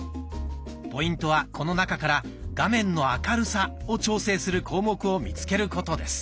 ポイントはこの中から「画面の明るさ」を調整する項目を見つけることです。